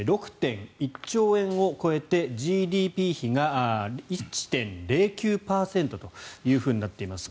６．１兆円を超えてＧＤＰ比が１．０９％となっています。